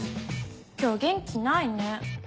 今日元気ないね。